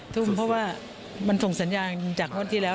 ทุ่มเพราะว่ามันส่งสัญญาณจากงวดที่แล้ว